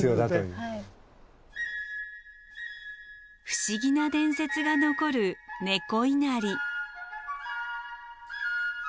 不思議な伝説が残る猫稲荷。